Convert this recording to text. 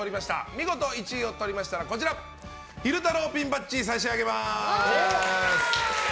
見事１位をとりましたら昼太郎ピンバッジを差し上げます。